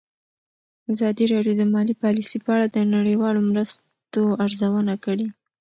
ازادي راډیو د مالي پالیسي په اړه د نړیوالو مرستو ارزونه کړې.